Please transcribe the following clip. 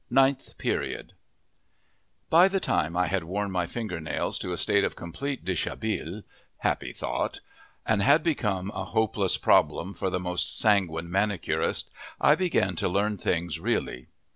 NINTH PERIOD By the time I had worn my finger nails to a state of complete dishabille happy thought! and had become a hopeless problem for the most sanguine manicurist, I began to learn things really.